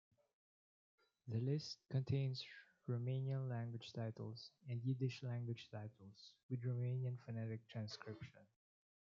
The list contains Romanian-language titles and Yiddish-language titles with Romanian phonetic transcription.